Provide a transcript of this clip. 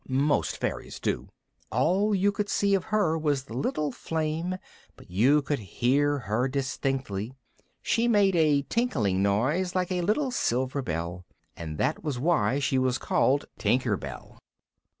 Most fairies do. All you could see of her was the little flame, but you could hear her distinctly, she made a tinkling noise like a little silver bell, and that was why she was called Tinker Bell.